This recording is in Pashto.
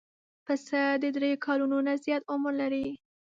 پسه د درېیو کلونو نه زیات عمر لري.